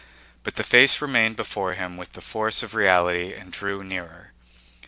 But the face remained before him with the force of reality and drew nearer.